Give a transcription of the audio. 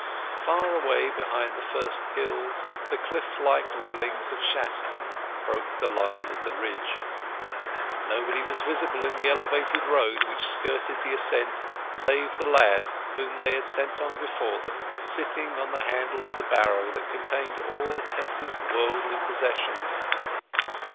Far away behind the first hills the cliff like dwellings of Shaston broke the line of the ridge. Nobody was visible in the elevated road which skirted the ascent save the lad whom they had sent on before them, sitting on the handle of the barrow that contained all Tess's worldly possessions.